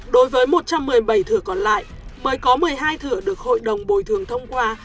đối với một trăm một mươi bảy thửa còn lại mới có một mươi hai thửa được hội đồng bồi thường thông qua